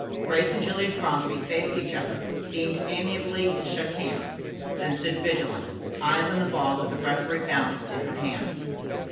Grace and Julia Crosby faced each other, beamed amiably and shook hands, then stood vigilant, eyes on the ball that the referee balanced in her hands.